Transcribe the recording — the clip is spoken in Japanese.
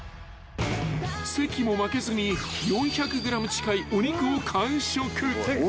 ［関も負けずに４００ｇ近いお肉を完食］